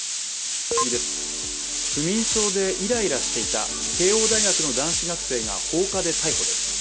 不眠症でイライラしていた慶応大学の男子学生が放火で逮捕です。